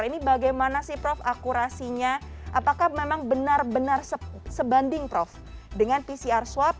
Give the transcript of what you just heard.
ini bagaimana sih prof akurasinya apakah memang benar benar sebanding prof dengan pcr swab